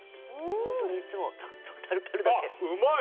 本当にいつもタルタルだけ。